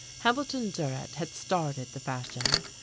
Hambleton Durrett had started the fashion.